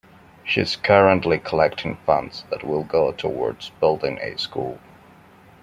She is currently collecting funds that will go towards building a school.